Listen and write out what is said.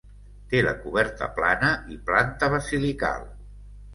Té la coberta plana i planta basilical.